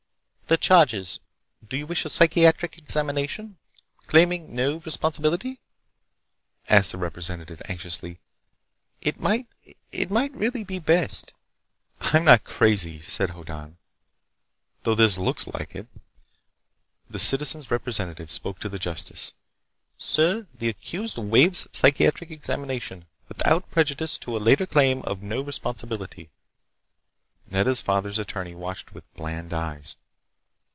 "The charges— Do you wish a psychiatric examination—claiming no responsibility?" asked the Representative anxiously. "It might ... it might really be best—" "I'm not crazy," said Hoddan, "though this looks like it." The Citizen's Representative spoke to the justice. "Sir, the accused waives psychiatric examination, without prejudice to a later claim of no responsibility." Nedda's father's attorney watched with bland eyes.